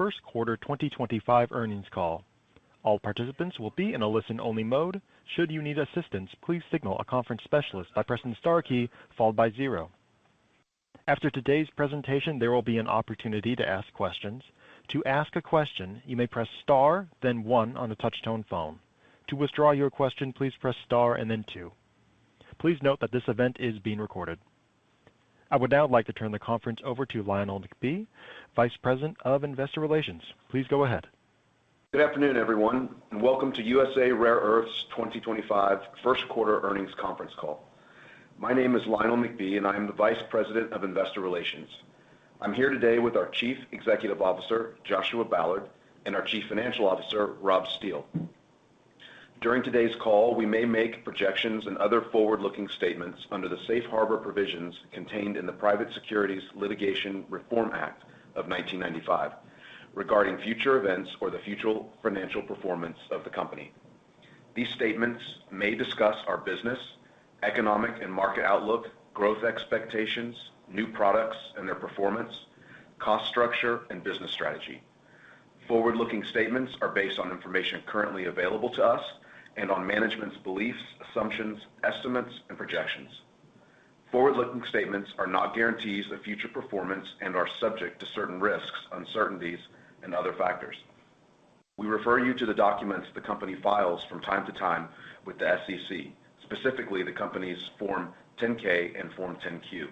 Earth First Quarter 2025 earnings call. All participants will be in a listen-only mode. Should you need assistance, please signal a conference specialist by pressing the star key followed by zero. After today's presentation, there will be an opportunity to ask questions. To ask a question, you may press star, then one on a touch-tone phone. To withdraw your question, please press star and then two. Please note that this event is being recorded. I would now like to turn the conference over to Lionel McBee, Vice President of Investor Relations. Please go ahead. Good afternoon, everyone, and welcome to USA Rare Earth's 2025 First Quarter earnings conference call. My name is Lionel McBee, and I am the Vice President of Investor Relations. I'm here today with our Chief Executive Officer, Joshua Ballard, and our Chief Financial Officer, Rob Steele. During today's call, we may make projections and other forward-looking statements under the Safe Harbor provisions contained in the Private Securities Litigation Reform Act of 1995 regarding future events or the future financial performance of the company. These statements may discuss our business, economic and market outlook, growth expectations, new products and their performance, cost structure, and business strategy. Forward-looking statements are based on information currently available to us and on management's beliefs, assumptions, estimates, and projections. Forward-looking statements are not guarantees of future performance and are subject to certain risks, uncertainties, and other factors. We refer you to the documents the company files from time to time with the SEC, specifically the company's Form 10-K and Form 10-Q.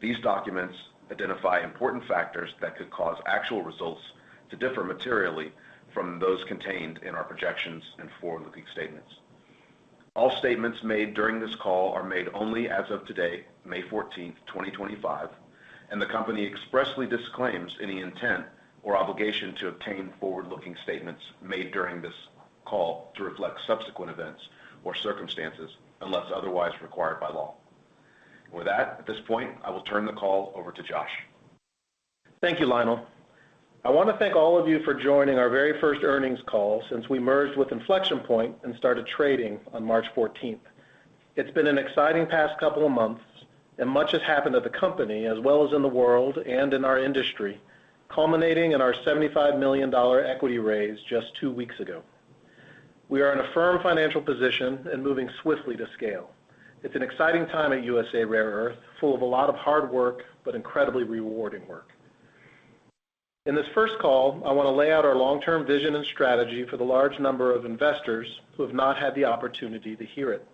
These documents identify important factors that could cause actual results to differ materially from those contained in our projections and forward-looking statements. All statements made during this call are made only as of today, May 14, 2025, and the company expressly disclaims any intent or obligation to update forward-looking statements made during this call to reflect subsequent events or circumstances unless otherwise required by law. With that, at this point, I will turn the call over to Josh. Thank you, Lionel. I want to thank all of you for joining our very first earnings call since we merged with Inflection Point and started trading on March 14. It has been an exciting past couple of months, and much has happened at the company as well as in the world and in our industry, culminating in our $75 million equity raise just two weeks ago. We are in a firm financial position and moving swiftly to scale. It is an exciting time at USA Rare Earth, full of a lot of hard work but incredibly rewarding work. In this first call, I want to lay out our long-term vision and strategy for the large number of investors who have not had the opportunity to hear it.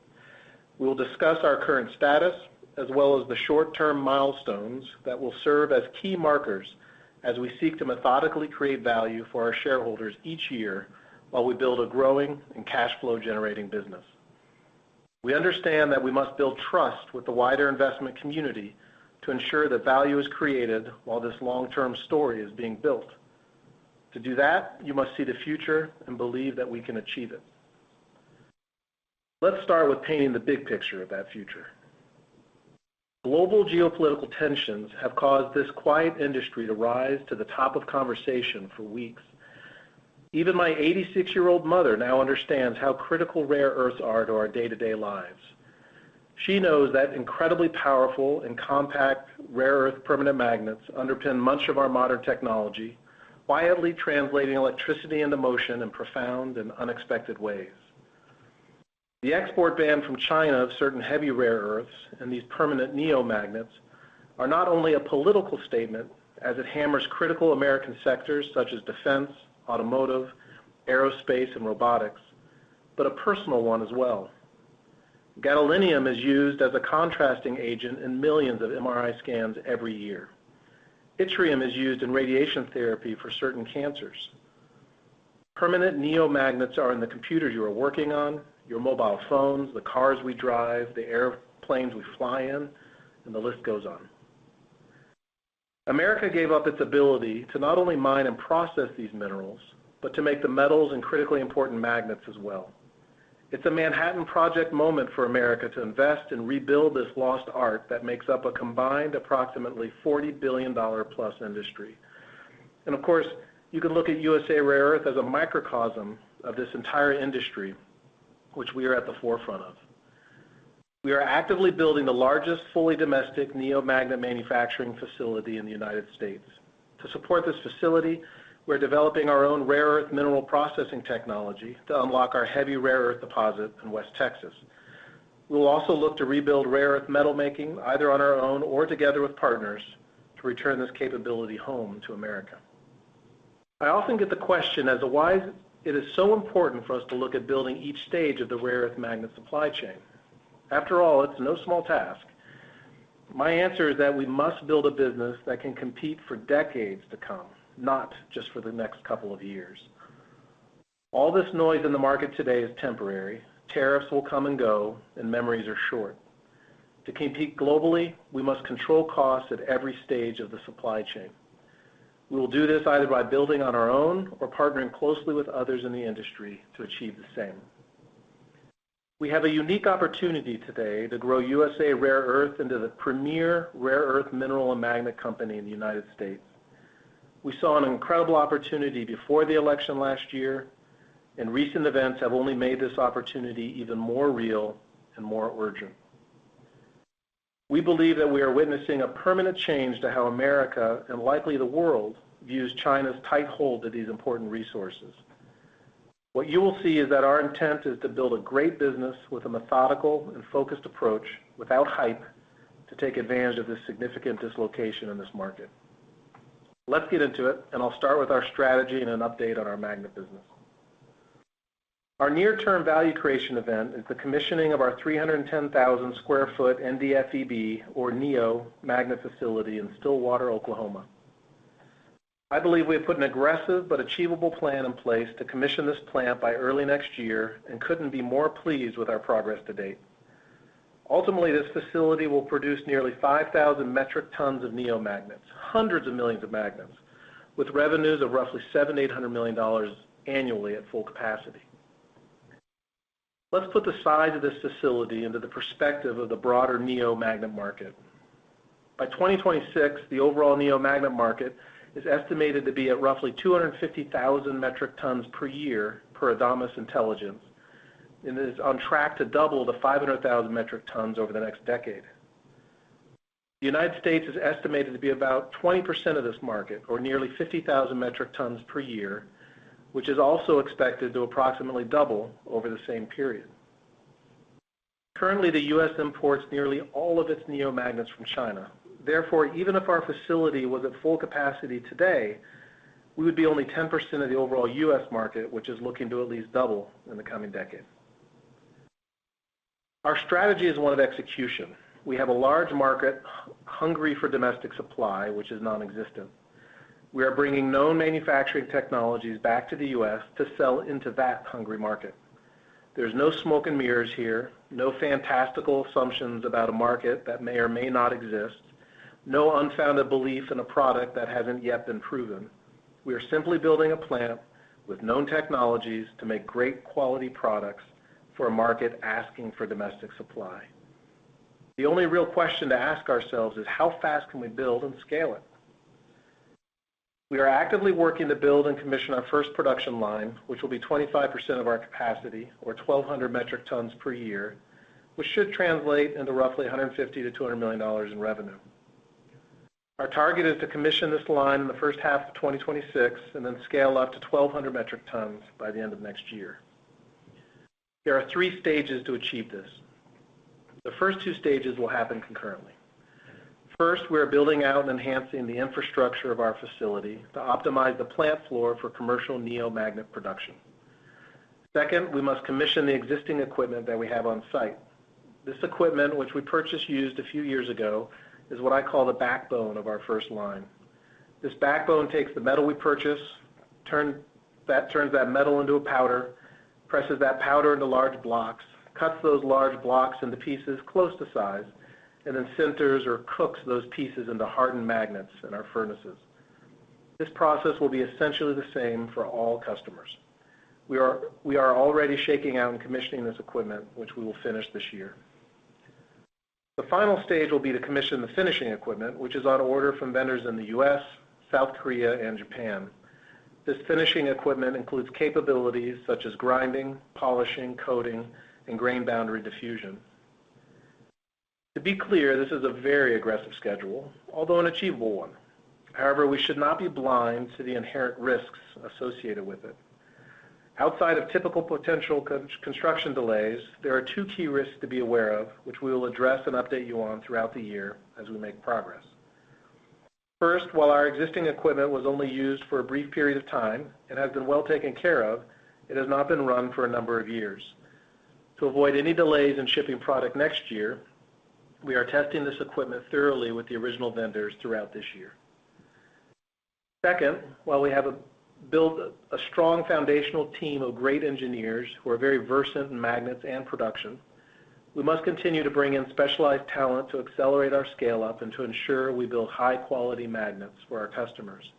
We will discuss our current status as well as the short-term milestones that will serve as key markers as we seek to methodically create value for our shareholders each year while we build a growing and cash flow-generating business. We understand that we must build trust with the wider investment community to ensure that value is created while this long-term story is being built. To do that, you must see the future and believe that we can achieve it. Let's start with painting the big picture of that future. Global geopolitical tensions have caused this quiet industry to rise to the top of conversation for weeks. Even my 86-year-old mother now understands how critical rare earths are to our day-to-day lives. She knows that incredibly powerful and compact rare earth permanent magnets underpin much of our modern technology, quietly translating electricity into motion in profound and unexpected ways. The export ban from China of certain heavy rare earths and these permanent neomagnets are not only a political statement as it hammers critical American sectors such as defense, automotive, aerospace, and robotics, but a personal one as well. Gadolinium is used as a contrasting agent in millions of MRI scans every year. Yttrium is used in radiation therapy for certain cancers. Permanent neomagnets are in the computers you are working on, your mobile phones, the cars we drive, the airplanes we fly in, and the list goes on. America gave up its ability to not only mine and process these minerals but to make the metals and critically important magnets as well. It's a Manhattan Project moment for America to invest and rebuild this lost art that makes up a combined approximately $40+ billion industry. Of course, you can look at USA Rare Earth as a microcosm of this entire industry, which we are at the forefront of. We are actively building the largest fully domestic neomagnet manufacturing facility in the United States. To support this facility, we're developing our own rare earth mineral processing technology to unlock our heavy rare earth deposit in West Texas. We will also look to rebuild rare earth metal making either on our own or together with partners to return this capability home to America. I often get the question as to why it is so important for us to look at building each stage of the rare earth magnet supply chain. After all, it's no small task. My answer is that we must build a business that can compete for decades to come, not just for the next couple of years. All this noise in the market today is temporary. Tariffs will come and go, and memories are short. To compete globally, we must control costs at every stage of the supply chain. We will do this either by building on our own or partnering closely with others in the industry to achieve the same. We have a unique opportunity today to grow USA Rare Earth into the premier rare earth mineral and magnet company in the United States. We saw an incredible opportunity before the election last year, and recent events have only made this opportunity even more real and more urgent. We believe that we are witnessing a permanent change to how America and likely the world views China's tight hold of these important resources. What you will see is that our intent is to build a great business with a methodical and focused approach without hype to take advantage of this significant dislocation in this market. Let's get into it, and I'll start with our strategy and an update on our magnet business. Our near-term value creation event is the commissioning of our 310,000 sq ft NdFeB, or NEO, magnet facility in Stillwater, Oklahoma. I believe we have put an aggressive but achievable plan in place to commission this plant by early next year and couldn't be more pleased with our progress to date. Ultimately, this facility will produce nearly 5,000 metric tons of neomagnets, hundreds of millions of magnets, with revenues of roughly $700 million to $800 million annually at full capacity. Let's put the size of this facility into the perspective of the broader neomagnet market. By 2026, the overall neomagnet market is estimated to be at roughly 250,000 metric tons per year per Adamas Intelligence, and it is on track to double to 500,000 metric tons over the next decade. The United States is estimated to be about 20% of this market, or nearly 50,000 metric tons per year, which is also expected to approximately double over the same period. Currently, the U.S. imports nearly all of its neomagnets from China. Therefore, even if our facility was at full capacity today, we would be only 10% of the overall U.S. market, which is looking to at least double in the coming decade. Our strategy is one of execution. We have a large market hungry for domestic supply, which is nonexistent. We are bringing known manufacturing technologies back to the U.S. to sell into that hungry market. There's no smoke and mirrors here, no fantastical assumptions about a market that may or may not exist, no unfounded belief in a product that hasn't yet been proven. We are simply building a plant with known technologies to make great quality products for a market asking for domestic supply. The only real question to ask ourselves is how fast can we build and scale it. We are actively working to build and commission our first production line, which will be 25% of our capacity, or 1,200 metric tons per year, which should translate into roughly $150 million to $200 million in revenue. Our target is to commission this line in the first half of 2026 and then scale up to 1,200 metric tons by the end of next year. There are three stages to achieve this. The first two stages will happen concurrently. First, we are building out and enhancing the infrastructure of our facility to optimize the plant floor for commercial neomagnet production. Second, we must commission the existing equipment that we have on site. This equipment, which we purchased used a few years ago, is what I call the backbone of our first line. This backbone takes the metal we purchase, turns that metal into a powder, presses that powder into large blocks, cuts those large blocks into pieces close to size, and then sinters or cooks those pieces into hardened magnets in our furnaces. This process will be essentially the same for all customers. We are already shaking out and commissioning this equipment, which we will finish this year. The final stage will be to commission the finishing equipment, which is on order from vendors in the U.S., South Korea, and Japan. This finishing equipment includes capabilities such as grinding, polishing, coating, and grain boundary diffusion. To be clear, this is a very aggressive schedule, although an achievable one. However, we should not be blind to the inherent risks associated with it. Outside of typical potential construction delays, there are two key risks to be aware of, which we will address and update you on throughout the year as we make progress. First, while our existing equipment was only used for a brief period of time and has been well taken care of, it has not been run for a number of years. To avoid any delays in shipping product next year, we are testing this equipment thoroughly with the original vendors throughout this year. Second, while we have built a strong foundational team of great engineers who are very versed in magnets and production, we must continue to bring in specialized talent to accelerate our scale-up and to ensure we build high-quality magnets for our customers.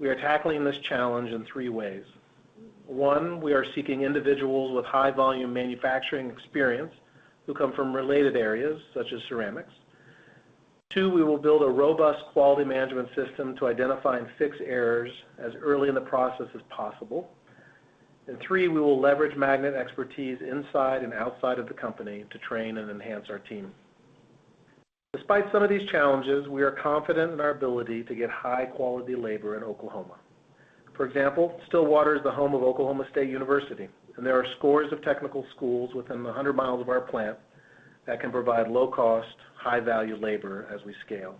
We are tackling this challenge in three ways. One, we are seeking individuals with high-volume manufacturing experience who come from related areas such as ceramics. Two, we will build a robust quality management system to identify and fix errors as early in the process as possible. Three, we will leverage magnet expertise inside and outside of the company to train and enhance our team. Despite some of these challenges, we are confident in our ability to get high-quality labor in Oklahoma. For example, Stillwater is the home of Oklahoma State University, and there are scores of technical schools within 100 mi of our plant that can provide low-cost, high-value labor as we scale.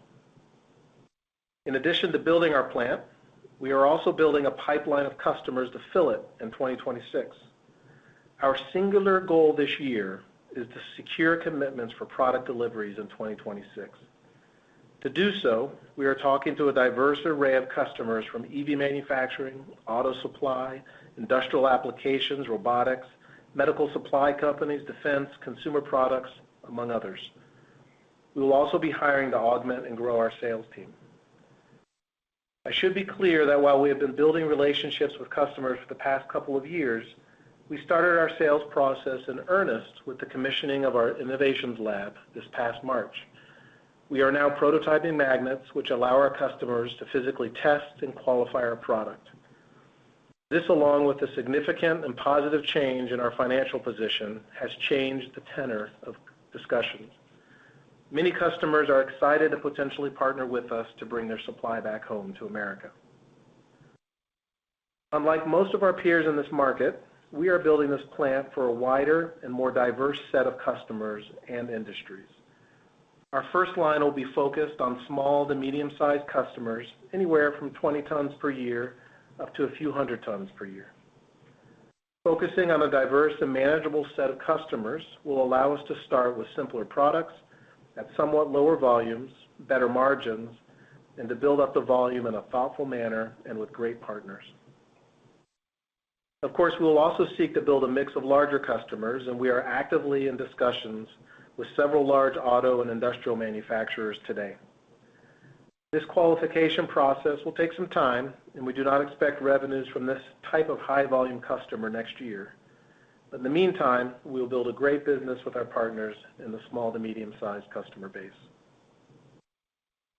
In addition to building our plant, we are also building a pipeline of customers to fill it in 2026. Our singular goal this year is to secure commitments for product deliveries in 2026. To do so, we are talking to a diverse array of customers from EV manufacturing, auto supply, industrial applications, robotics, medical supply companies, defense, consumer products, among others. We will also be hiring to augment and grow our sales team. I should be clear that while we have been building relationships with customers for the past couple of years, we started our sales process in earnest with the commissioning of our innovations lab this past March. We are now prototyping magnets which allow our customers to physically test and qualify our product. This, along with the significant and positive change in our financial position, has changed the tenor of discussions. Many customers are excited to potentially partner with us to bring their supply back home to America. Unlike most of our peers in this market, we are building this plant for a wider and more diverse set of customers and industries. Our first line will be focused on small to medium-sized customers anywhere from 20 tons per year up to a few hundred tons per year. Focusing on a diverse and manageable set of customers will allow us to start with simpler products at somewhat lower volumes, better margins, and to build up the volume in a thoughtful manner and with great partners. Of course, we will also seek to build a mix of larger customers, and we are actively in discussions with several large auto and industrial manufacturers today. This qualification process will take some time, and we do not expect revenues from this type of high-volume customer next year. In the meantime, we will build a great business with our partners in the small to medium-sized customer base.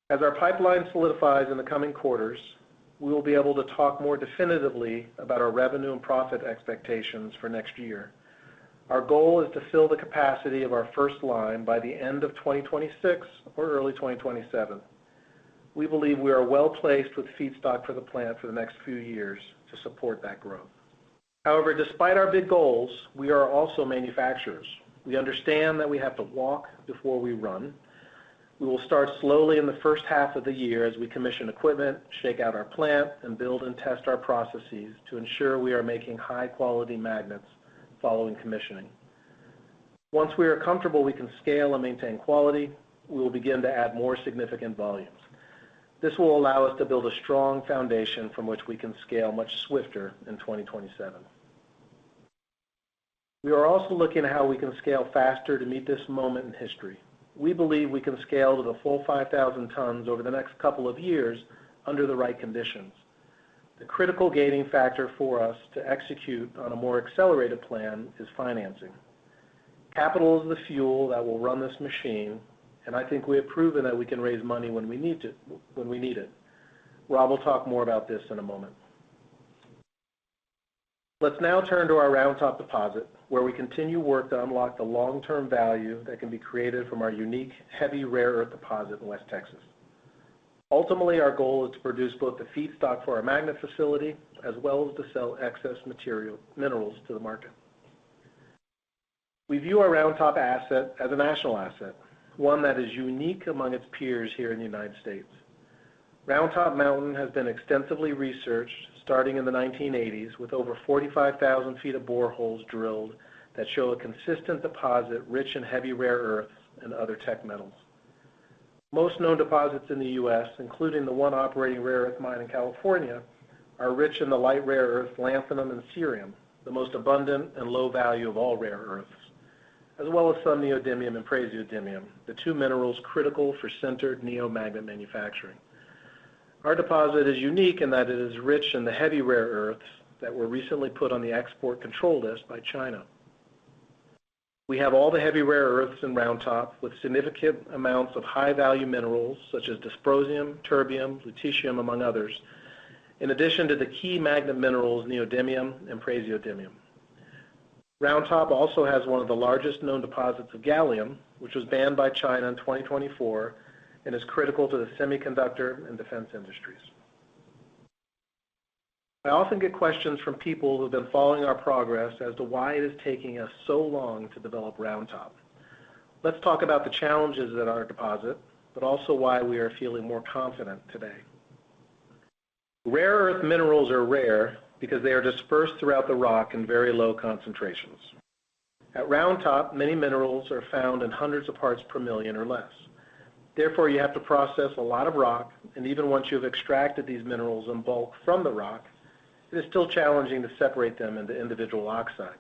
As our pipeline solidifies in the coming quarters, we will be able to talk more definitively about our revenue and profit expectations for next year. Our goal is to fill the capacity of our first line by the end of 2026 or early 2027. We believe we are well placed with feedstock for the plant for the next few years to support that growth. However, despite our big goals, we are also manufacturers. We understand that we have to walk before we run. We will start slowly in the first half of the year as we commission equipment, shake out our plant, and build and test our processes to ensure we are making high-quality magnets following commissioning. Once we are comfortable we can scale and maintain quality, we will begin to add more significant volumes. This will allow us to build a strong foundation from which we can scale much swifter in 2027. We are also looking at how we can scale faster to meet this moment in history. We believe we can scale to the full 5,000 tons over the next couple of years under the right conditions. The critical gating factor for us to execute on a more accelerated plan is financing. Capital is the fuel that will run this machine, and I think we have proven that we can raise money when we need it. Rob will talk more about this in a moment. Let's now turn to our Round Top deposit, where we continue work to unlock the long-term value that can be created from our unique heavy rare earth deposit in West Texas. Ultimately, our goal is to produce both the feedstock for our magnet facility as well as to sell excess minerals to the market. We view our Round Top asset as a national asset, one that is unique among its peers here in the United States. Round Top Mountain has been extensively researched starting in the 1980s with over 45,000 feet of boreholes drilled that show a consistent deposit rich in heavy rare earths and other tech metals. Most known deposits in the U.S., including the one operating rare earth mine in California, are rich in the light rare earth lanthanum and cerium, the most abundant and low value of all rare earths, as well as some neodymium and praseodymium, the two minerals critical for sintered neomagnet manufacturing. Our deposit is unique in that it is rich in the heavy rare earths that were recently put on the export control list by China. We have all the heavy rare earths in Round Top with significant amounts of high-value minerals such as dysprosium, terbium, lutetium, among others, in addition to the key magnet minerals neodymium and praseodymium. Round Top also has one of the largest known deposits of gallium, which was banned by China in 2024 and is critical to the semiconductor and defense industries. I often get questions from people who have been following our progress as to why it is taking us so long to develop Round Top. Let's talk about the challenges at our deposit, but also why we are feeling more confident today. Rare earth minerals are rare because they are dispersed throughout the rock in very low concentrations. At Round Top, many minerals are found in hundreds of parts per million or less. Therefore, you have to process a lot of rock, and even once you have extracted these minerals in bulk from the rock, it is still challenging to separate them into individual oxides.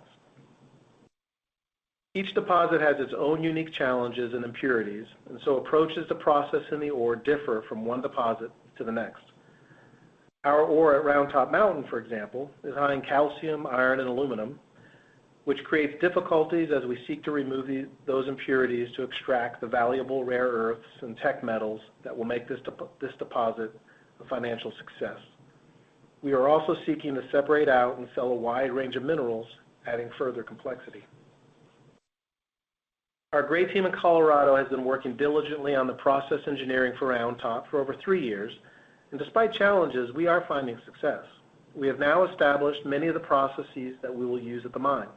Each deposit has its own unique challenges and impurities, and so approaches to processing the ore differ from one deposit to the next. Our ore at Round Top Mountain, for example, is high in calcium, iron, and aluminum, which creates difficulties as we seek to remove those impurities to extract the valuable rare earths and tech metals that will make this deposit a financial success. We are also seeking to separate out and sell a wide range of minerals, adding further complexity. Our great team in Colorado has been working diligently on the process engineering for Round Top for over three years, and despite challenges, we are finding success. We have now established many of the processes that we will use at the mine.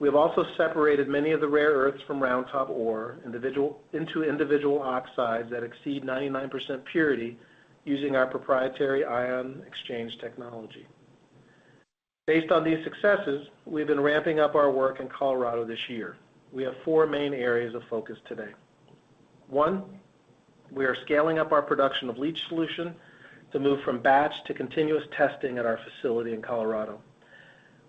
We have also separated many of the rare earths from Round Top ore into individual oxides that exceed 99% purity using our proprietary ion exchange technology. Based on these successes, we have been ramping up our work in Colorado this year. We have four main areas of focus today. One, we are scaling up our production of leach solution to move from batch to continuous testing at our facility in Colorado.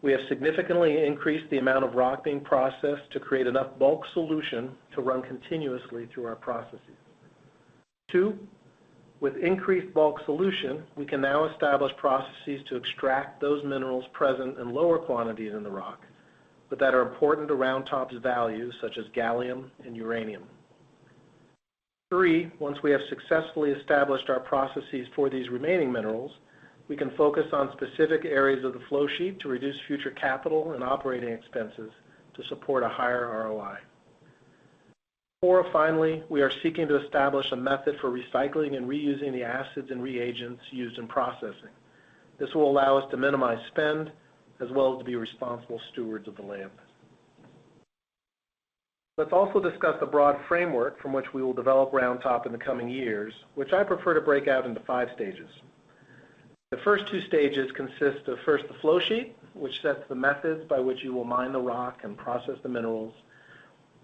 We have significantly increased the amount of rock being processed to create enough bulk solution to run continuously through our processes. Two, with increased bulk solution, we can now establish processes to extract those minerals present in lower quantities in the rock, but that are important to Round Top's value, such as gallium and uranium. Three, once we have successfully established our processes for these remaining minerals, we can focus on specific areas of the flow sheet to reduce future capital and operating expenses to support a higher ROI. Four, finally, we are seeking to establish a method for recycling and reusing the acids and reagents used in processing. This will allow us to minimize spend as well as to be responsible stewards of the land. Let's also discuss the broad framework from which we will develop Round Top in the coming years, which I prefer to break out into five stages. The first two stages consist of, first, the flow sheet, which sets the methods by which you will mine the rock and process the minerals,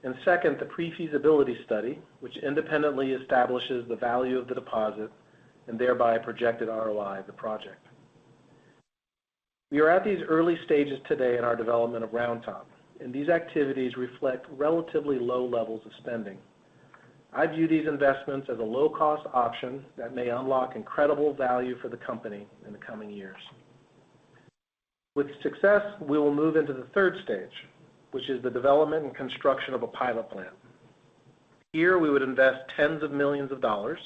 and second, the pre-feasibility study, which independently establishes the value of the deposit and thereby projected ROI of the project. We are at these early stages today in our development of Round Top, and these activities reflect relatively low levels of spending. I view these investments as a low-cost option that may unlock incredible value for the company in the coming years. With success, we will move into the third stage, which is the development and construction of a pilot plant. Here, we would invest tens of millions of dollars.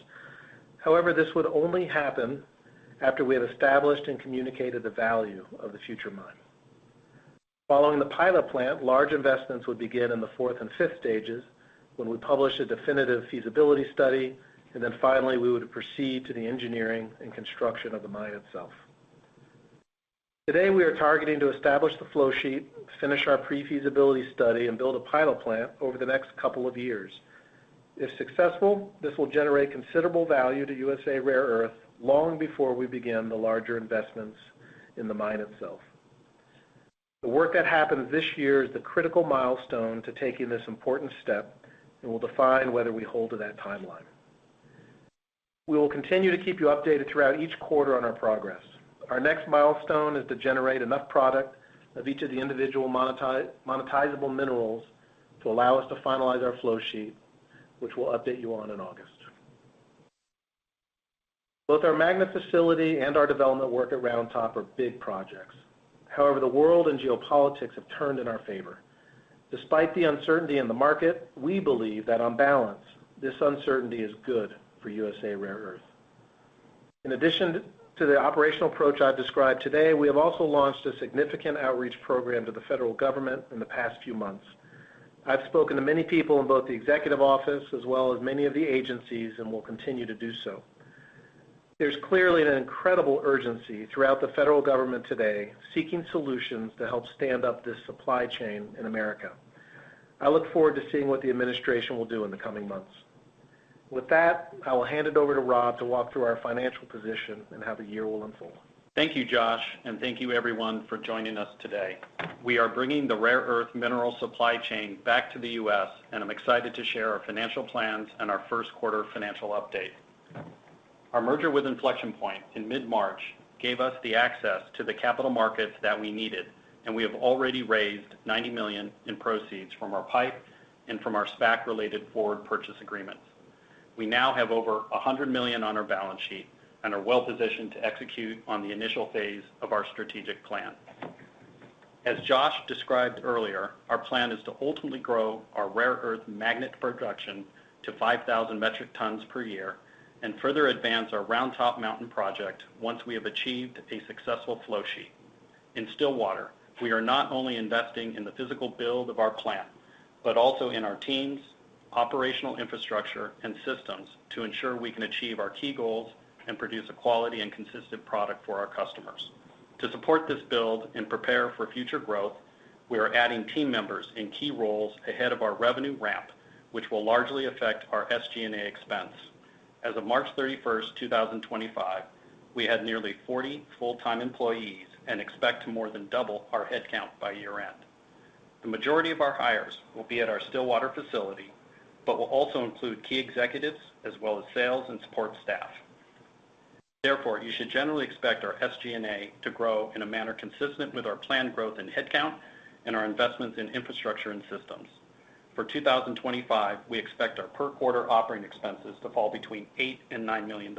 However, this would only happen after we have established and communicated the value of the future mine. Following the pilot plant, large investments would begin in the fourth and fifth stages when we publish a definitive feasibility study, and then finally, we would proceed to the engineering and construction of the mine itself. Today, we are targeting to establish the flow sheet, finish our pre-feasibility study, and build a pilot plant over the next couple of years. If successful, this will generate considerable value to USA Rare Earth long before we begin the larger investments in the mine itself. The work that happens this year is the critical milestone to taking this important step and will define whether we hold to that timeline. We will continue to keep you updated throughout each quarter on our progress. Our next milestone is to generate enough product of each of the individual monetizable minerals to allow us to finalize our flow sheet, which we'll update you on in August. Both our magnet facility and our development work at Round Top are big projects. However, the world and geopolitics have turned in our favor. Despite the uncertainty in the market, we believe that on balance, this uncertainty is good for USA Rare Earth. In addition to the operational approach I've described today, we have also launched a significant outreach program to the federal government in the past few months. I've spoken to many people in both the executive office as well as many of the agencies and will continue to do so. There's clearly an incredible urgency throughout the federal government today seeking solutions to help stand up this supply chain in America. I look forward to seeing what the administration will do in the coming months. With that, I will hand it over to Rob to walk through our financial position and how the year will unfold. Thank you, Josh, and thank you, everyone, for joining us today. We are bringing the rare earth mineral supply chain back to the U.S., and I'm excited to share our financial plans and our first quarter financial update. Our merger with Inflection Point in mid-March gave us the access to the capital markets that we needed, and we have already raised $90 million in proceeds from our PIPE and from our SPAC-related forward purchase agreements. We now have over $100 million on our balance sheet and are well positioned to execute on the initial phase of our strategic plan. As Josh described earlier, our plan is to ultimately grow our rare earth magnet production to 5,000 metric tons per year and further advance our Round Top Mountain project once we have achieved a successful flow sheet. In Stillwater, we are not only investing in the physical build of our plant, but also in our teams, operational infrastructure, and systems to ensure we can achieve our key goals and produce a quality and consistent product for our customers. To support this build and prepare for future growth, we are adding team members in key roles ahead of our revenue ramp, which will largely affect our SG&A expense. As of March 31, 2025, we had nearly 40 full-time employees and expect to more than double our headcount by year-end. The majority of our hires will be at our Stillwater facility, but will also include key executives as well as sales and support staff. Therefore, you should generally expect our SG&A to grow in a manner consistent with our planned growth in headcount and our investments in infrastructure and systems. For 2025, we expect our per quarter operating expenses to fall between $8 million and $9 million.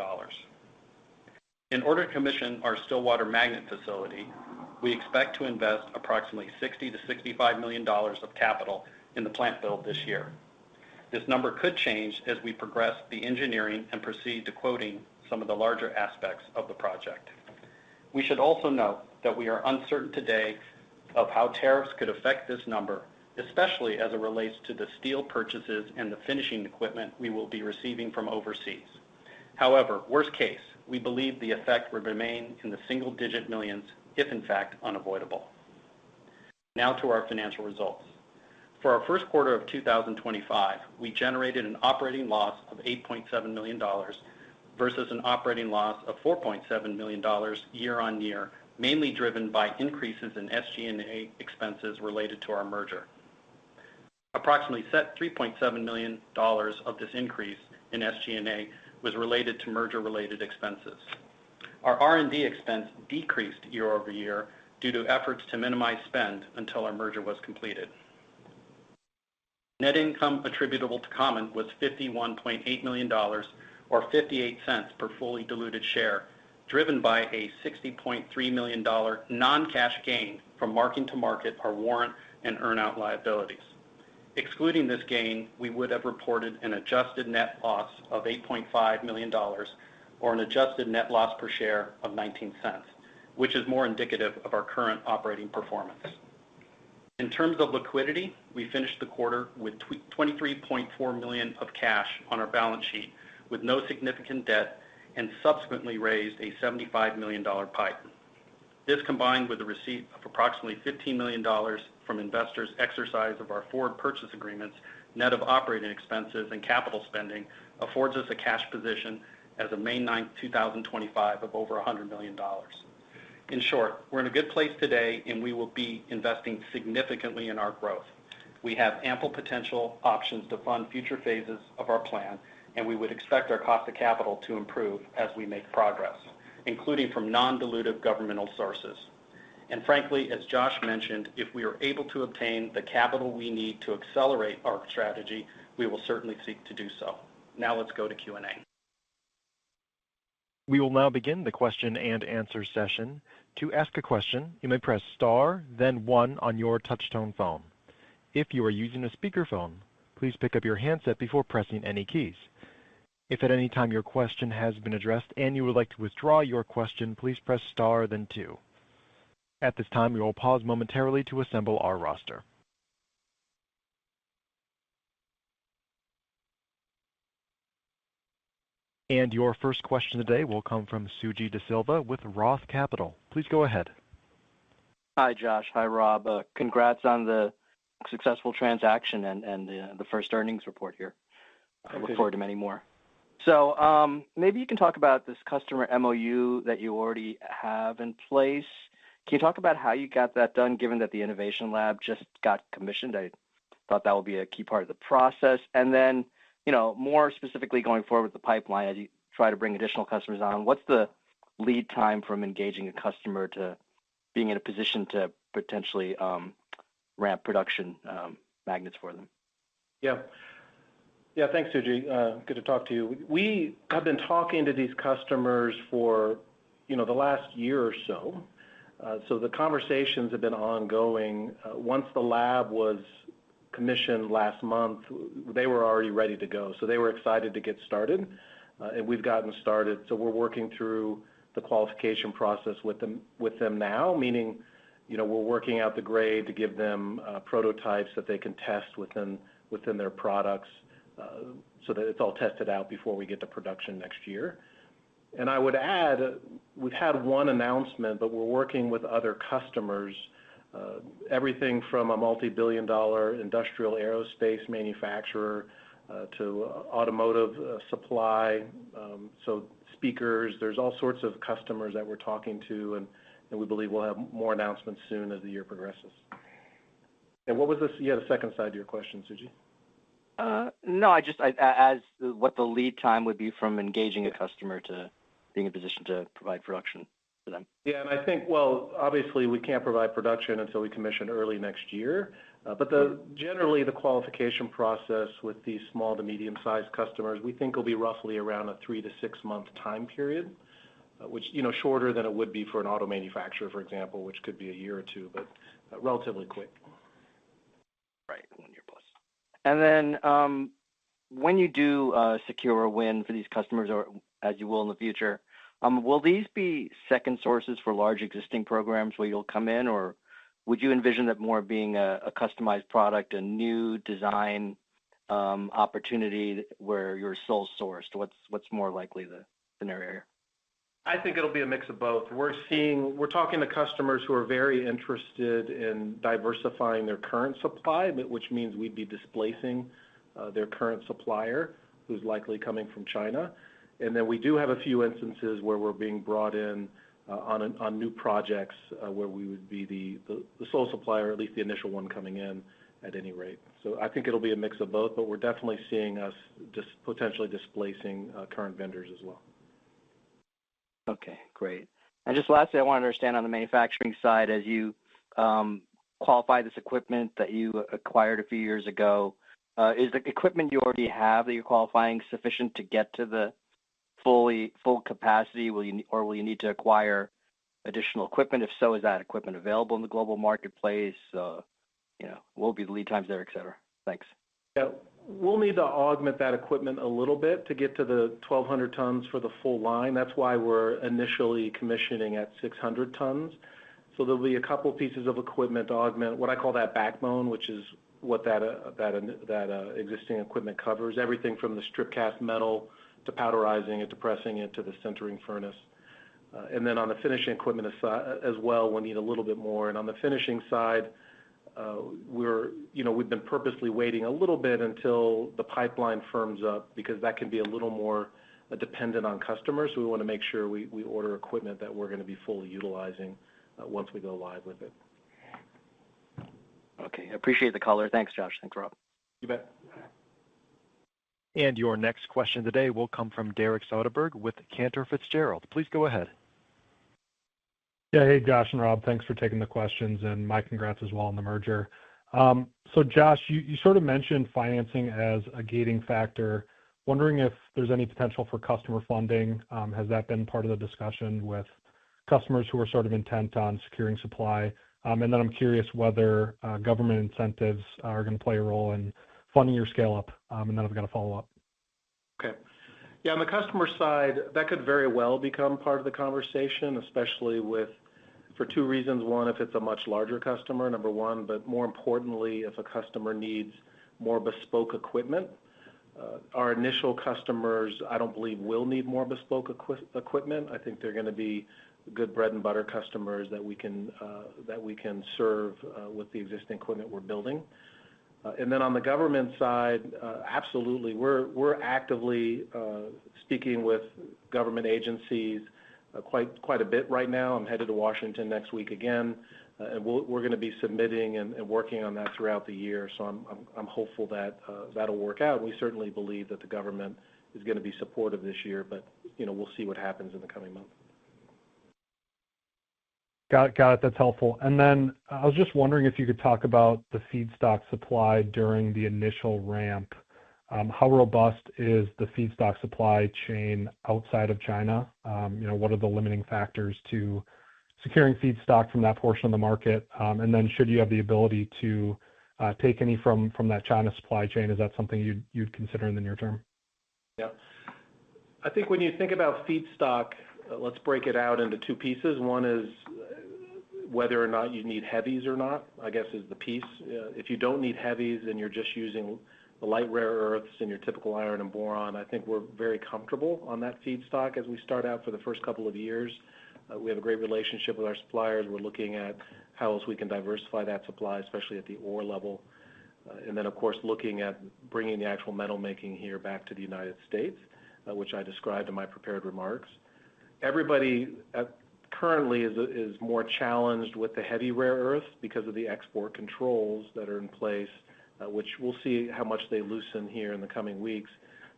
In order to commission our Stillwater magnet facility, we expect to invest approximately $60 million to $65 million of capital in the plant build this year. This number could change as we progress the engineering and proceed to quoting some of the larger aspects of the project. We should also note that we are uncertain today of how tariffs could affect this number, especially as it relates to the steel purchases and the finishing equipment we will be receiving from overseas. However, worst case, we believe the effect will remain in the single-digit millions, if in fact unavoidable. Now to our financial results. For our first quarter of 2025, we generated an operating loss of $8.7 million versus an operating loss of $4.7 million year-on-year, mainly driven by increases in SG&A expenses related to our merger. Approximately $3.7 million of this increase in SG&A was related to merger-related expenses. Our R&D expense decreased year-over-year due to efforts to minimize spend until our merger was completed. Net income attributable to common was $51.8 million or $0.58 per fully diluted share, driven by a $60.3 million non-cash gain from marking to market our warrant and earn-out liabilities. Excluding this gain, we would have reported an adjusted net loss of $8.5 million or an adjusted net loss per share of $0.19, which is more indicative of our current operating performance. In terms of liquidity, we finished the quarter with $23.4 million of cash on our balance sheet with no significant debt and subsequently raised a $75 million pipe. This combined with the receipt of approximately $15 million from investors' exercise of our forward purchase agreements, net of operating expenses and capital spending, affords us a cash position as of May 9, 2025, of over $100 million. In short, we're in a good place today, and we will be investing significantly in our growth. We have ample potential options to fund future phases of our plan, and we would expect our cost of capital to improve as we make progress, including from non-dilutive governmental sources. Frankly, as Josh mentioned, if we are able to obtain the capital we need to accelerate our strategy, we will certainly seek to do so. Now let's go to Q&A. We will now begin the question and answer session. To ask a question, you may press star, then one on your touchstone phone. If you are using a speakerphone, please pick up your handset before pressing any keys. If at any time your question has been addressed and you would like to withdraw your question, please press star, then two. At this time, we will pause momentarily to assemble our roster. Your first question today will come from Suji Desilva with Roth Capital. Please go ahead. Hi, Josh. Hi, Rob. Congrats on the successful transaction and the first earnings report here. I look forward to many more. Maybe you can talk about this customer MOU that you already have in place. Can you talk about how you got that done, given that the Innovation Lab just got commissioned? I thought that would be a key part of the process. More specifically, going forward with the pipeline, as you try to bring additional customers on, what's the lead time from engaging a customer to being in a position to potentially ramp production magnets for them? Yeah. Yeah, thanks, Suji. Good to talk to you. We have been talking to these customers for the last year or so. The conversations have been ongoing. Once the lab was commissioned last month, they were already ready to go. They were excited to get started. We have gotten started. We are working through the qualification process with them now, meaning we are working out the grade to give them prototypes that they can test within their products so that it is all tested out before we get to production next year. I would add, we have had one announcement, but we are working with other customers. Everything from a multi-billion dollar industrial aerospace manufacturer to automotive supply. Speakers, there are all sorts of customers that we are talking to, and we believe we will have more announcements soon as the year progresses. What was the second side of your question, Suji? No, just what the lead time would be from engaging a customer to being in position to provide production for them. Yes. I think, obviously, we cannot provide production until we commission early next year. Generally, the qualification process with these small to medium-sized customers, we think it'll be roughly around a three- to six-month time period, which is shorter than it would be for an auto manufacturer, for example, which could be a year or two, but relatively quick. Right. One year plus. When you do secure a win for these customers, or as you will in the future, will these be second sources for large existing programs where you'll come in, or would you envision that more being a customized product, a new design opportunity where you're sole-sourced? What's more likely the scenario here? I think it'll be a mix of both. We're talking to customers who are very interested in diversifying their current supply, which means we'd be displacing their current supplier who's likely coming from China. We do have a few instances where we're being brought in on new projects where we would be the sole supplier, at least the initial one coming in at any rate. I think it'll be a mix of both, but we're definitely seeing us just potentially displacing current vendors as well. Okay. Great. Just lastly, I want to understand on the manufacturing side, as you qualify this equipment that you acquired a few years ago, is the equipment you already have that you're qualifying sufficient to get to the full capacity, or will you need to acquire additional equipment? If so, is that equipment available in the global marketplace? What will be the lead times there, etc.? Thanks. Yeah. We'll need to augment that equipment a little bit to get to the 1,200 tons for the full line. That's why we're initially commissioning at 600 tons. There'll be a couple of pieces of equipment to augment what I call that backbone, which is what that existing equipment covers. Everything from the strip cast metal to powderizing it to pressing it to the sintering furnace. Then on the finishing equipment as well, we'll need a little bit more. On the finishing side, we've been purposely waiting a little bit until the pipeline firms up because that can be a little more dependent on customers. We want to make sure we order equipment that we're going to be fully utilizing once we go live with it. Okay. Appreciate the color. Thanks, Josh. Thanks, Rob. You bet. Your next question today will come from Derek Soderbergh with Cantor Fitzgerald. Please go ahead. Yeah. Hey, Josh and Rob. Thanks for taking the questions. My congrats as well on the merger. Josh, you sort of mentioned financing as a gating factor. Wondering if there's any potential for customer funding. Has that been part of the discussion with customers who are sort of intent on securing supply? I'm curious whether government incentives are going to play a role in funding your scale-up. I've got to follow up. Okay. On the customer side, that could very well become part of the conversation, especially for two reasons. One, if it's a much larger customer, number one, but more importantly, if a customer needs more bespoke equipment. Our initial customers, I don't believe, will need more bespoke equipment. I think they're going to be good bread-and-butter customers that we can serve with the existing equipment we're building. On the government side, absolutely. We're actively speaking with government agencies quite a bit right now. I'm headed to Washington next week again. We're going to be submitting and working on that throughout the year. I'm hopeful that that'll work out. We certainly believe that the government is going to be supportive this year, but we'll see what happens in the coming month. Got it. That's helpful. I was just wondering if you could talk about the feedstock supply during the initial ramp. How robust is the feedstock supply chain outside of China? What are the limiting factors to securing feedstock from that portion of the market? Should you have the ability to take any from that China supply chain, is that something you'd consider in the near term? Yeah. I think when you think about feedstock, let's break it out into two pieces. One is whether or not you need heavies or not, I guess, is the piece. If you don't need heavies and you're just using the light rare earths in your typical iron and boron, I think we're very comfortable on that feedstock as we start out for the first couple of years. We have a great relationship with our suppliers. We're looking at how else we can diversify that supply, especially at the ore level. Of course, looking at bringing the actual metal making here back to the United States, which I described in my prepared remarks. Everybody currently is more challenged with the heavy rare earth because of the export controls that are in place, which we'll see how much they loosen here in the coming weeks.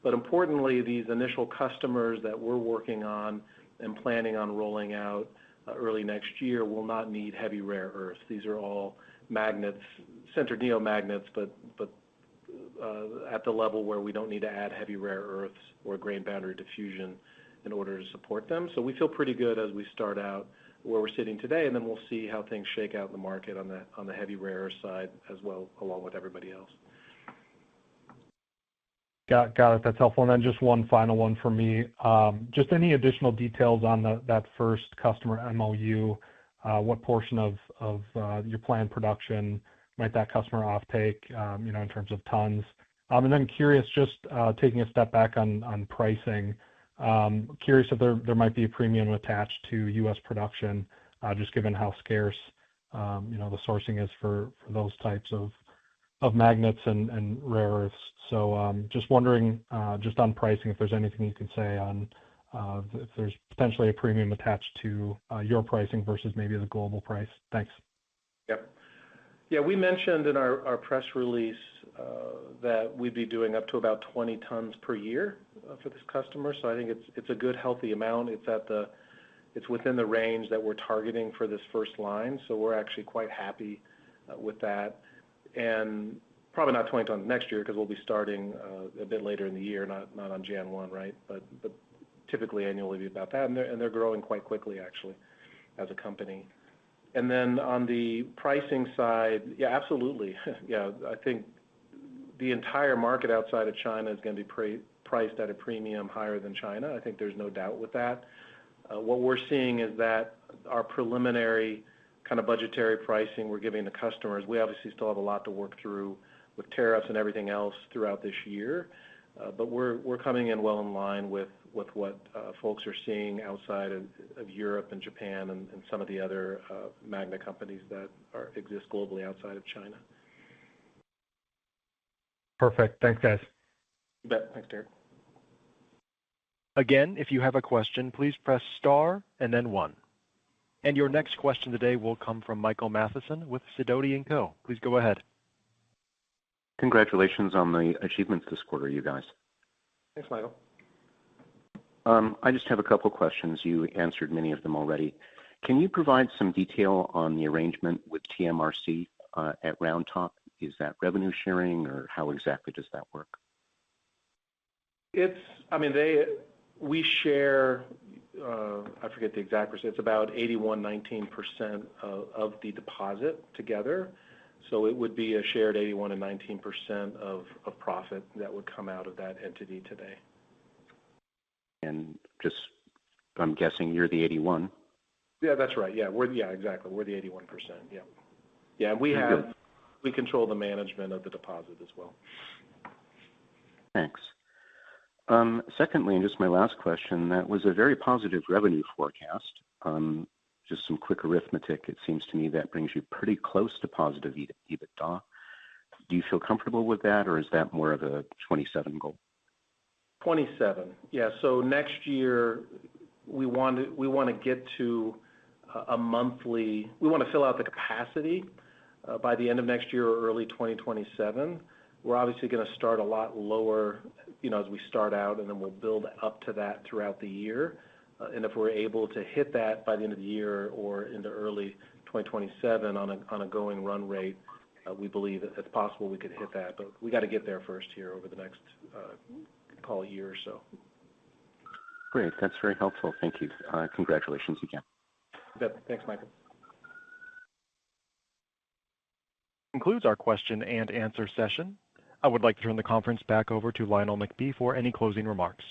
Importantly, these initial customers that we're working on and planning on rolling out early next year will not need heavy rare earths. These are all magnets, sintered neo magnets, but at the level where we do not need to add heavy rare earths or grain boundary diffusion in order to support them. We feel pretty good as we start out where we are sitting today, and then we will see how things shake out in the market on the heavy rare earth side as well, along with everybody else. Got it. That is helpful. Just one final one for me. Any additional details on that first customer MOU? What portion of your planned production might that customer offtake in terms of tons? Taking a step back on pricing, curious if there might be a premium attached to U.S. production, just given how scarce the sourcing is for those types of magnets and rare earths. Just wondering just on pricing, if there's anything you can say on if there's potentially a premium attached to your pricing versus maybe the global price. Thanks. Yep. Yeah. We mentioned in our press release that we'd be doing up to about 20 tons per year for this customer. I think it's a good healthy amount. It's within the range that we're targeting for this first line. We're actually quite happy with that. Probably not 20 tons next year because we'll be starting a bit later in the year, not on January 1, right? Typically annually would be about that. They're growing quite quickly, actually, as a company. On the pricing side, yeah, absolutely. I think the entire market outside of China is going to be priced at a premium higher than China. I think there's no doubt with that. What we're seeing is that our preliminary kind of budgetary pricing we're giving the customers, we obviously still have a lot to work through with tariffs and everything else throughout this year. We're coming in well in line with what folks are seeing outside of Europe and Japan and some of the other magnet companies that exist globally outside of China. Perfect. Thanks, guys. You bet. Thanks, Derek. Again, if you have a question, please press star and then one. Your next question today will come from Michael Mathison with Sidoti & Co. Please go ahead. Congratulations on the achievements this quarter, you guys. Thanks, Michael. I just have a couple of questions. You answered many of them already. Can you provide some detail on the arrangement with TMRC at Round Top? Is that revenue sharing, or how exactly does that work? I mean, we share—I forget the exact percentage—it's about 81%, 19% of the deposit together. It would be a shared 81% and 19% of profit that would come out of that entity today. I'm guessing you're the 81%. Yeah, that's right. Yeah. Yeah, exactly. We're the 81%. Yeah. Yeah. We control the management of the deposit as well. Thanks. Secondly, just my last question, that was a very positive revenue forecast. Just some quick arithmetic, it seems to me that brings you pretty close to positive EBITDA. Do you feel comfortable with that, or is that more of a 2027 goal? 2027. Next year, we want to get to a monthly—we want to fill out the capacity by the end of next year or early 2027. We're obviously going to start a lot lower as we start out, and then we'll build up to that throughout the year. If we're able to hit that by the end of the year or into early 2027 on a going run rate, we believe it's possible we could hit that. We got to get there first year over the next, call it, year or so. Great. That's very helpful. Thank you. Congratulations again. You bet. Thanks, Michael. Concludes our question and answer session. I would like to turn the conference back over to Lionel McBee for any closing remarks.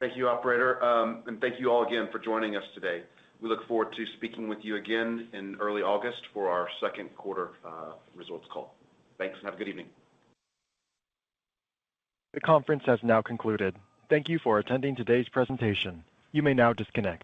Thank you, operator. Thank you all again for joining us today. We look forward to speaking with you again in early August for our second quarter results call. Thanks, and have a good evening. The conference has now concluded. Thank you for attending today's presentation. You may now disconnect.